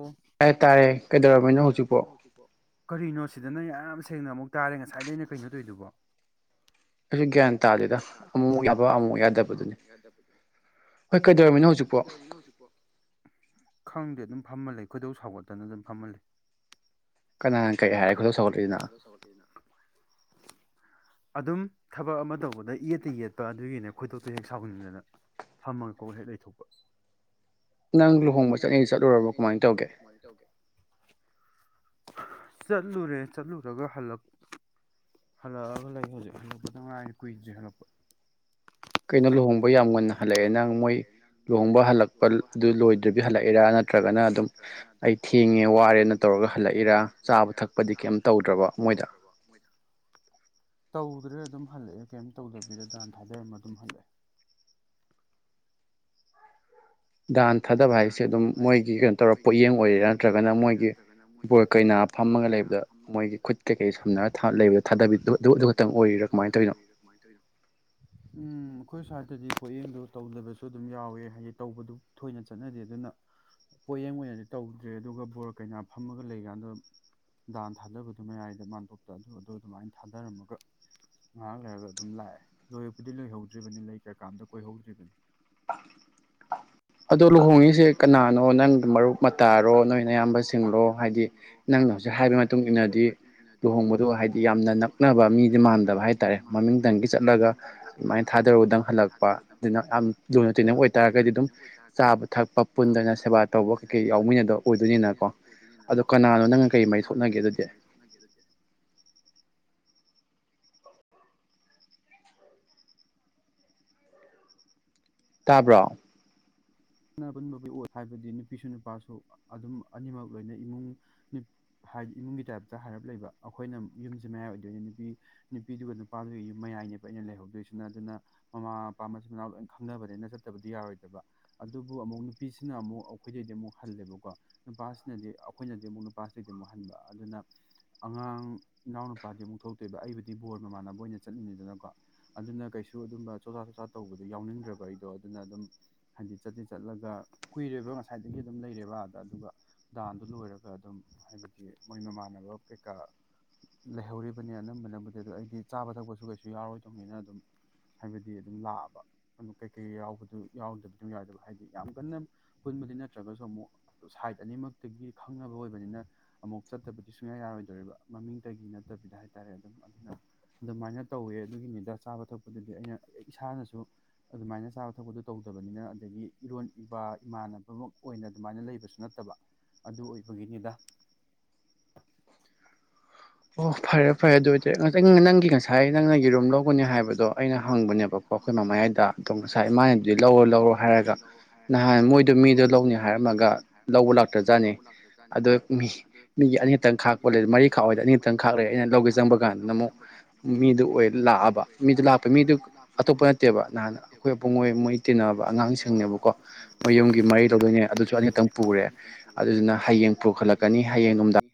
ꯑꯣ ꯇꯥꯔꯦ ꯇꯥꯔꯦ ꯀꯩꯗꯧꯔꯕꯅꯣ ꯍꯧꯖꯤꯛꯐꯥꯎ ꯀꯔꯤꯅꯣ ꯁꯤꯗꯅ ꯌꯥ ꯌꯥꯝ ꯁꯦꯡꯅ ꯑꯃꯨꯛ ꯇꯥꯔꯦ ꯉꯁꯥꯏꯗ ꯑꯩꯅ ꯀꯩꯅꯣ ꯇꯧꯔꯤꯗꯨꯕꯣ ꯑꯩꯁꯨ ꯒ꯭ꯌꯥꯟ ꯇꯥꯗꯦꯗ ꯑꯃꯨꯛ ꯌꯥꯕ ꯑꯃꯨꯛ ꯌꯥꯗꯕꯗꯨꯅꯤ ꯍꯣꯏ ꯀꯩꯗꯧꯔꯝꯃꯤꯅꯣ ꯍꯧꯖꯤꯛꯐꯥꯎ ꯈꯪꯗꯦ ꯑꯗꯨꯝ ꯐꯝꯍꯜꯜꯂꯤ ꯈꯣꯏꯗꯧ ꯁꯥꯎꯒꯠꯇꯅ ꯑꯗꯨꯝ ꯐꯝꯍꯜꯜꯂꯤ ꯀꯅꯥꯅ ꯀꯩ ꯍꯥꯏꯔꯦ ꯈꯨꯗꯣ ꯁꯧꯒꯠꯂꯛꯏꯁꯤꯅ ꯑꯗꯨꯝ ꯊꯕꯛ ꯑꯃ ꯇꯧꯕꯗ ꯌꯦꯠꯇ ꯌꯦꯠꯄ ꯑꯗꯨꯒꯤꯅꯦ ꯈꯣꯏꯗꯣꯛꯇꯨ ꯍꯦꯛ ꯁꯥꯎꯍꯟꯗꯅ ꯐꯝꯃꯒꯀ ꯍꯦꯛ ꯂꯩꯊꯣꯛꯄ ꯅꯪ ꯂꯨꯍꯣꯡꯕ ꯆꯠꯂꯤ ꯆꯠꯂꯨꯔꯕꯣ ꯀꯃꯥꯏꯅ ꯇꯧꯒꯦ ꯆꯠꯂꯨꯔꯦ ꯆꯠꯂꯨꯔꯒ ꯍꯜꯂꯛ ꯍꯜꯂꯛꯑꯒ ꯂꯩ ꯍꯧꯖꯤꯛ ꯍꯜꯂꯛꯄꯗ ꯉꯉꯥꯏꯅ ꯀꯨꯏꯁꯦ ꯍꯜꯂꯛꯄ ꯀꯩꯅꯣ ꯂꯨꯍꯣꯡꯕ ꯌꯥꯝ ꯉꯨꯟꯅ ꯍꯜꯂꯛꯑꯦ ꯅꯪ ꯃꯣꯏ ꯂꯨꯍꯣꯡꯕ ꯍꯜꯂꯛꯄꯗꯨ ꯂꯣꯏꯗ꯭ꯔꯕꯤ ꯍꯜꯂꯛꯑꯦꯔꯥ ꯅꯪ ꯅꯠꯇ꯭ꯔꯒꯅ ꯑꯗꯨꯝ ꯑꯩ ꯊꯦꯡꯉꯦ ꯋꯥꯔꯦꯅ ꯇꯧꯔꯒ ꯍꯜꯂꯛꯏꯔ ꯆꯥꯕ ꯊꯛꯄꯗꯤ ꯀꯩꯝ ꯇꯧꯗ꯭ꯔꯕ ꯃꯣꯏꯗ ꯃꯣꯏ [inaudible] ꯇꯧꯗ꯭ꯔꯦ ꯑꯗꯨꯝ ꯍꯜꯂꯛꯑꯦ ꯀꯩꯝ ꯇꯧꯗꯕꯤꯗ ꯗꯥꯟ ꯊꯥꯗꯃ ꯑꯗꯨꯝ ꯍꯜꯂꯛꯑꯦ ꯗꯥꯟ ꯊꯥꯗꯕ ꯍꯥꯏꯁꯦ ꯑꯗꯨꯝ ꯃꯣꯏꯒꯤ ꯀꯩꯅꯣ ꯇꯧꯔꯒ ꯄꯣꯠꯌꯦꯡ ꯑꯣꯏꯔꯦꯔꯥ ꯅꯠꯇ꯭ꯔꯒꯅ ꯃꯣꯏꯒꯤ ꯕ ꯀꯩꯅꯥ ꯐ ꯀꯩ ꯐꯝꯃꯒ ꯂꯩꯕꯣꯏꯒꯤ ꯈꯨ ꯀꯩ ꯂꯩ ꯊꯥꯗꯕꯤꯣ ꯑꯗꯨ ꯑꯣꯏ ꯇꯧ ꯎꯝ ꯑꯩꯣꯏ ꯁꯥ ꯑꯗꯨꯗꯤ ꯀꯣꯑꯗꯣ ꯇꯧꯗꯕꯁꯨ ꯑꯗꯨꯝ ꯌꯥꯎꯋꯦ ꯍꯥꯏꯗꯤ ꯇꯧꯕꯗꯨ ꯊꯣꯏꯅ ꯆꯠ ꯆꯠꯅꯗꯦ ꯑꯗꯨꯅ ꯄꯣꯠꯌꯦꯡ ꯑꯣꯏꯅꯗꯤ ꯇꯧꯗ꯭ꯔꯦ ꯑꯗꯨꯒ ꯕꯣꯔ ꯀꯩꯅꯥ ꯐꯝꯃꯒ ꯂꯩꯀꯥꯟꯗ ꯗꯥꯟ ꯊꯥꯗꯕꯗꯨ ꯃꯌꯥꯏꯗ ꯃꯥꯟꯗꯣꯞꯇ ꯑꯗꯨꯗꯣ ꯑꯗꯨꯃꯥꯏꯅ ꯊꯥꯗꯔꯝꯃꯒ ꯉꯥꯏꯍꯥꯛ ꯂꯩꯔꯒ ꯑꯗꯨꯝ ꯂꯥꯛꯑꯦ ꯂꯣꯏꯔꯕꯨꯗꯤ ꯂꯣꯏꯍꯧꯗ꯭ꯔꯤꯕꯅꯤ ꯂꯩ ꯀꯔ ꯀꯥꯝꯗ ꯀꯣꯏꯍꯧꯗ꯭ꯔꯤꯕꯅꯤ ꯑ ꯑ ꯑꯗꯣ ꯂꯨꯍꯣꯡꯉꯤꯁꯦ ꯀꯅꯥꯅꯣ ꯅꯪ ꯃꯔꯨꯞ ꯃꯇꯥꯔꯣ ꯅꯣꯏꯅ ꯑꯌꯥꯝꯕ ꯁꯤꯡꯡꯂꯣ ꯍꯥꯏꯗꯤ ꯅꯪꯅ ꯍꯧꯖꯤꯛ ꯍꯥꯏꯕꯒꯤ ꯃꯇꯨꯡ ꯏꯟꯅꯗꯤ ꯂꯨꯍꯣꯡꯕꯗꯣ ꯍꯥꯏꯗꯤ ꯌꯥꯝꯅ ꯅꯛꯅꯕ ꯃꯤꯗꯤ ꯃꯥꯟꯗꯕ ꯍꯥꯏꯇꯥꯔꯦ ꯃꯃꯤꯡꯇꯪꯒꯤ ꯆꯠꯂꯒ ꯑꯗꯨꯃꯥꯏꯅ ꯊꯥꯗꯔꯒꯗꯪ ꯍꯜꯂꯛꯄ ꯑꯗꯨꯅ ꯌꯥꯝ ꯌꯨꯅ ꯇꯤꯟꯅꯕ ꯑꯣꯏꯇꯥꯔꯒꯗꯤ ꯑꯗꯨꯝ ꯆꯥꯕ ꯊꯛ ꯆꯛꯄ ꯄꯨꯟꯗꯅ ꯁꯦꯕꯥ ꯇꯧꯕ ꯀꯩ ꯀꯩ ꯌꯥꯎꯃꯤꯟꯅꯗ ꯑꯣꯏꯗꯣꯏꯅꯤꯅꯀꯣ ꯑꯗꯣ ꯀꯅꯥꯅꯣ ꯅꯪꯅ ꯀꯩ ꯃꯩ ꯊꯣꯛꯣꯛꯅꯒꯦꯅ ꯅꯪ ꯀꯔꯤ ꯃꯩ ꯊꯣꯛꯅꯒꯦ ꯑꯗꯨꯗꯤ ꯇꯥꯕ꯭ꯔꯣ ꯁꯥꯟ ꯄꯨꯟꯕꯒꯤ ꯑꯣꯏ ꯍꯥꯏꯕꯗꯤ ꯅꯨꯄꯤꯁꯨ ꯅꯨꯄꯥꯁꯨ ꯑꯗꯨꯝ ꯑꯅꯤꯃꯛ ꯂꯣꯏꯅ ꯏꯃꯨꯡ ꯍꯥꯏꯗꯤ ꯏꯃꯨꯡꯒꯤ ꯇꯥꯏꯞꯇ ꯍꯥꯏꯔꯞ ꯂꯩꯕ ꯑꯩꯈꯣꯏꯅ ꯌꯨꯝꯁꯦ ꯃꯌꯥꯏ ꯑꯣꯏꯗꯣꯏꯅꯦ ꯅꯨꯄꯤ ꯅꯨꯄꯤꯗꯨꯒ ꯅꯨꯄꯥꯗꯨꯒꯤ ꯌꯨꯝ ꯃꯌꯥꯏ ꯑꯩꯅ ꯂꯩꯍꯧꯗꯣꯏꯁꯤꯅ ꯑꯗꯨꯅ ꯃꯃꯥ ꯃꯄꯥ ꯃꯆꯤꯟ ꯃꯅꯥꯎ ꯂꯣꯏ ꯈꯪꯅꯕꯅꯦ ꯑꯩꯅ ꯆꯠꯇꯕꯗꯤ ꯌꯥꯔꯣꯏꯗꯕ ꯑꯗꯨꯕꯨ ꯑꯃꯨꯛ ꯅꯨꯄꯤꯁꯤꯅ ꯑꯃꯨꯛ ꯑꯩꯈꯣꯏꯗꯩꯗꯤ ꯑꯃꯨꯛ ꯍꯜꯂꯦꯕꯀꯣ ꯅꯨꯄꯥꯁꯤꯅꯗꯤ ꯑꯩꯈꯣꯏꯅꯗꯤ ꯑꯃꯨꯛ ꯅꯨꯄꯥꯁꯤꯗꯩꯗꯤ ꯑꯃꯨꯛ ꯍꯟꯕ ꯑꯗꯨꯅ ꯑꯉꯥꯡ ꯏꯅꯥꯎꯅꯨꯄꯥꯗꯤ ꯑꯃꯨꯛ ꯊꯣꯛꯇꯣꯏꯕ ꯑꯩꯕꯨꯗꯤ ꯕꯣꯔ ꯃꯃꯥꯟꯅꯕ ꯑꯣꯏꯅ ꯆꯠꯂꯤꯅꯤꯩꯗꯅꯀꯣ ꯑꯗꯨꯅ ꯀꯩꯁꯨ ꯑꯗꯨꯝꯕ ꯆꯣꯆꯥꯥ ꯆꯣꯆꯥꯥ ꯇꯧꯕꯗꯣ ꯌꯥꯎꯅꯤꯡꯗ꯭ꯔꯕ ꯑꯩꯗꯣ ꯑꯗꯨꯅ ꯑꯗꯨꯝ ꯍꯖꯤ ꯆꯠꯇꯠꯇꯤ ꯆꯠꯂꯒ ꯀꯨꯏꯔꯦꯕ ꯉꯁꯥꯏꯗꯒꯤ ꯑꯗꯨꯝ ꯂꯩꯔꯦꯕ ꯑꯥꯗ ꯑꯗꯨꯒ ꯗꯥꯟꯗꯨꯣ ꯂꯣꯏꯔꯒ ꯑꯗꯨꯝ ꯍꯥꯏ ꯑꯗꯒꯤ ꯃꯣꯏ ꯃꯃꯥꯟꯅꯕ ꯀꯩꯀꯥ ꯂꯩꯍꯧꯔꯤꯕꯅꯤ ꯑꯅꯝꯕꯅꯕꯨꯗꯤ ꯑꯗꯨꯗꯣ ꯑꯩꯗꯤ ꯆꯥꯕ ꯊꯛꯄꯁꯨ ꯀꯩꯁꯨ ꯌꯥꯎꯔꯣꯏꯗꯧꯕꯅꯤꯅ ꯑꯗꯨꯝ ꯍꯥꯏꯕꯗꯤ ꯑꯗꯨꯝ ꯂꯥꯛꯑꯕ ꯑꯗꯨꯝ ꯀꯩꯀꯩ ꯌꯥꯎꯕꯗꯨ ꯌꯥꯎꯗ ꯌꯥꯗꯕ ꯍꯥꯏꯗꯤ ꯌꯥꯝ ꯀꯟꯅ ꯄꯨꯟꯕꯗꯤ ꯅꯠꯇ꯭ꯔꯒꯁꯨ ꯑꯃꯨꯛ ꯁꯥꯏꯠ ꯑꯅꯤꯃꯛꯇꯒꯤ ꯈꯪꯅꯕ ꯑꯣꯏꯕꯅꯤꯅ ꯑꯃꯨꯛ ꯆꯠꯇꯕꯗꯤ ꯁꯨꯡꯌꯥ ꯌꯥꯔꯣꯏꯗꯣꯕ ꯃꯃꯤꯡꯇꯒꯤ ꯅꯠꯇꯕꯤꯗ ꯍꯥꯏꯇꯥꯔꯦ ꯑꯗꯨꯝ ꯑꯗꯨꯅ ꯑꯗꯨꯃꯥꯏꯅ ꯇꯧꯋꯦ ꯑꯗꯨꯒꯤꯅꯤꯗ ꯆꯥꯕ ꯊꯛꯄꯗꯨꯗꯤ ꯑꯩꯅ ꯏꯁꯥꯅꯁꯨ ꯑꯗꯨꯃꯥꯏꯅ ꯆꯥꯕ ꯊꯛꯄꯗꯨ ꯇꯧꯗ ꯠꯇꯕꯅꯤꯅ ꯑꯗꯒꯤ ꯏꯔꯣꯟ ꯏꯕ ꯏꯃꯥꯟꯅꯕꯃꯛ ꯑꯣꯏꯅ ꯑꯗꯨꯃꯥꯏꯅ ꯂꯩꯕꯁꯨ ꯅꯠꯇꯕ ꯑꯗꯨ ꯑꯣꯏꯕꯒꯤꯅꯤꯗ ꯑꯣ ꯐꯔꯦ ꯐꯔꯦ ꯑꯗꯨ ꯑꯣꯏꯗꯤ ꯅꯪꯒꯤ ꯉꯁꯥꯏ ꯅꯪꯅꯒꯤ ꯔꯨꯝ ꯂꯧꯒꯅꯤ ꯍꯥꯏꯕꯗꯣ ꯑꯩꯅ ꯍꯪꯕꯅꯦꯕꯀꯣ ꯑꯩꯈꯣꯏ ꯃꯃꯥ ꯍꯥꯏꯗ ꯑꯗꯣ ꯉꯁꯥꯏ ꯃꯥꯅꯦꯗꯤ ꯂꯧꯔꯣ ꯂꯧꯔꯣ ꯍꯥꯏꯔꯒ ꯅꯍꯥꯟ ꯃꯣꯏꯗꯣ ꯃꯤꯗꯣ ꯂꯧꯅꯤ ꯍꯥꯏꯔꯝꯃꯒ ꯂꯧꯕ ꯂꯥꯛꯇ꯭ꯔꯖꯥꯠꯅꯦ ꯑꯗꯣ ꯃꯤ ꯃꯤꯒꯤ ꯑꯅꯤꯍꯛꯇꯪ ꯈꯥꯛꯄ ꯂꯩ ꯃꯔꯤꯈꯥꯛꯑꯣꯏꯗ ꯑꯅꯤꯍꯛꯇꯪ ꯈꯪꯈꯦ ꯂꯧꯒꯦ ꯆꯪꯕ ꯀꯥꯟꯗꯅ ꯑꯃꯨꯛ ꯃꯤꯗꯨ ꯑꯣꯏ ꯂꯥꯛꯑꯕ ꯃꯤꯗꯨ ꯂꯥꯛꯄ ꯃꯤꯗꯨ ꯑꯇꯣꯞꯄ ꯅꯠꯇꯦꯕ ꯅꯍꯥꯟ ꯑꯩꯈꯣꯏ ꯑꯄꯨꯡꯉꯣꯏ ꯃꯩ ꯇꯤꯟꯅꯕ ꯑꯉꯥꯡꯁꯤꯡꯅꯦꯕꯀꯣ ꯃꯌꯨꯝꯒꯤ ꯃꯩ ꯂꯧꯗꯣꯏꯅꯦ ꯑꯗꯨꯁꯨ ꯑꯅꯤꯛꯇꯪ ꯄꯨꯔꯦ ꯑꯗꯨꯗꯨꯅ ꯍꯌꯦꯡ ꯄꯨꯈꯠꯂꯛꯀꯅꯤ ꯍꯌꯦꯡꯡꯂꯅꯨꯡꯗꯥꯡ